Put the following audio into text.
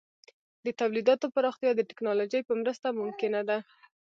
د تولیداتو پراختیا د ټکنالوژۍ په مرسته ممکنه ده.